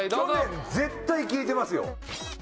去年絶対聞いてますよ。